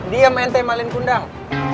diam ente maling kundang